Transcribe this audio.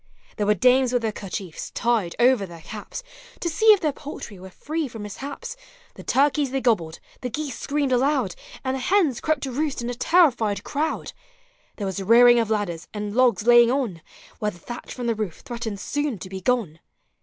There were dames with their kerchiefs tied over their caps, To see if their poultry were free from mishaps; The turkeys they gobbled, the geese screamed aloud, And the hens crept to roost in a terrified crowd; There was rearing of ladders, and logs laying on. Where the thatch from the roof threatened soon to be gone.